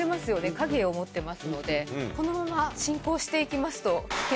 影を持ってますのでこのまま進行して行きますと。